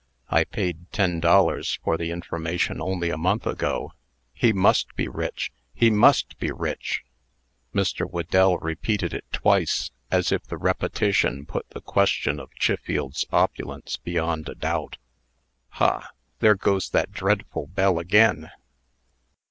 I paid ten dollars for the information, only a month ago. He must be rich! He must be rich!" Mr. Whedell repeated it twice, as if the repetition put the question of Chiffield's opulence beyond a doubt. "Ha! there goes that dreadful bell again!"